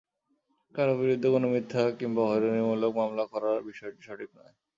কারও বিরুদ্ধে কোনো মিথ্যা কিংবা হয়রানিমূলক মামলা করার বিষয়টি সঠিক নয়।